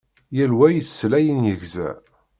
Yal wa yessel ayen yegza.